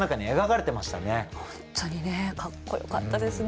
本当にねかっこよかったですね。